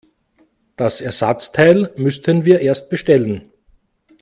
Das Ersatzteil müssten wir erst bestellen.